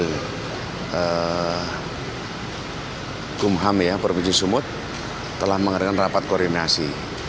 ketika di gumham permisi sumut telah mengadakan rapat koronasi